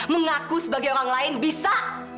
mengaku sebagai orang lain bisa